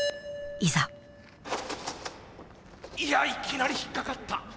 いやいきなり引っかかった。